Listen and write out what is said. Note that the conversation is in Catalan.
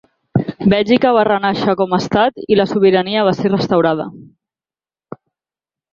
Bèlgica va renàixer com a estat i la sobirania va ser restaurada.